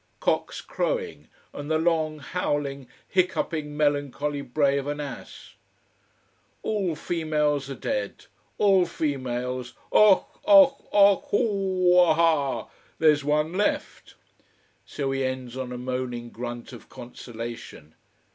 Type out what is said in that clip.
Cocks crowing and the long, howling, hiccuping, melancholy bray of an ass. "All females are dead, all females och! och! och! hoooo! Ahaa! there's one left." So he ends on a moaning grunt of consolation.